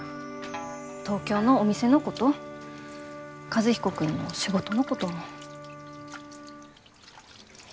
東京のお店のこと和彦君の仕事のことも。